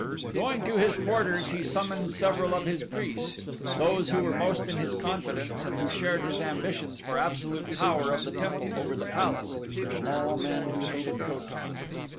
Going to his quarters he summoned several of his priests those who were most in his confidence and who shared his ambitions for absolute power of the temple over the palace all men who hated Ko tan.